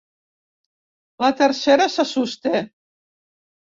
La Tercera se sosté.